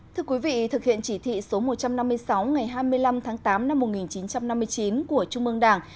thưa quý vị thực hiện chỉ thị số một trăm năm mươi sáu ngày hai mươi năm tháng tám năm một nghìn chín trăm năm mươi chín của trung mương đảng